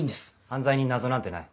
犯罪に謎なんてない。